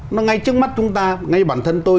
nó ngay trước mắt chúng ta ngay bản thân tôi